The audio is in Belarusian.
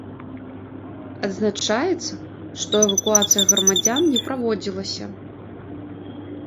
Адзначаецца, што эвакуацыя грамадзян не праводзілася.